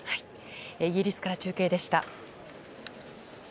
イギリスから中継でした。